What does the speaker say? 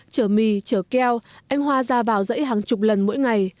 chở mì chở keo anh hoa ra vào dãy hàng chục lần mỗi ngày